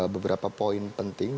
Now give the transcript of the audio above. beberapa poin penting